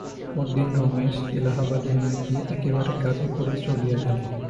পরদিন রমেশ এলাহাবাদে না গিয়া একেবারে গাজিপুরে চলিয়া গেল।